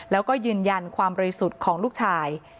แล้วก็ยืนยันความบริสุทธิ์ของลูกชาย